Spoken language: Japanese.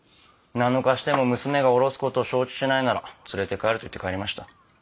７日しても娘が堕ろす事を承知しないなら連れて帰ると言って帰りました。